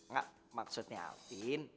gak maksudnya alvin